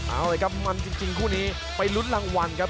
เอาเลยครับมันจริงคู่นี้ไปลุ้นรางวัลครับ